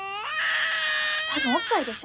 多分おっぱいでしょ。